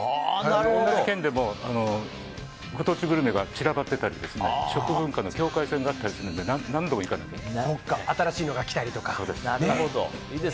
同じ県でもご当地グルメが散らばってたり食文化の境界線があったりするので新しいのが来たりとか。